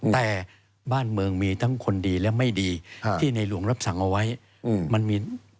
แต่บ้านเมืองมีทั้งคนดีและไม่ดีที่ในหลวงรับสั่งเอาไว้มันมี